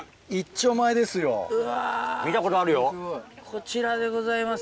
こちらでございます。